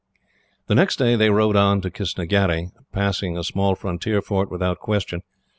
The next day they rode on to Kistnagherry, passing a small frontier fort without question.